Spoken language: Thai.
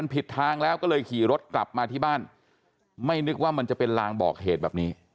ผิดทางแล้วก็เลยขี่รถกลับมาที่บ้านไม่นึกว่ามันจะเป็นลางบอกเหตุแบบนี้